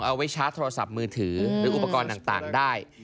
เอาไว้ชาร์จโทรศัพท์มือถือหรืออุปกรณ์ต่างได้